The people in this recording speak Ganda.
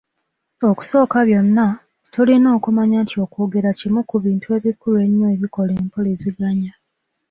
Okusooka byonna, tulina okumanya nti okwogera kimu ku bintu ebikulu ennyo ebikola empuliziganya.